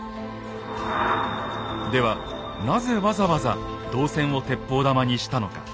ではなぜわざわざ銅銭を鉄砲玉にしたのか。